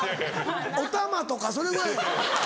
おたまとかそれぐらい？